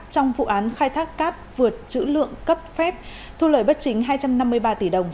trong vụ án khai thác cát vượt chữ lượng cấp phép thu lời bất chính hai trăm năm mươi ba tỷ đồng